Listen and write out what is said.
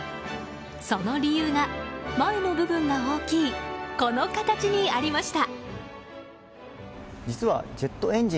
その理由が、前の部分が大きいこの形にありました。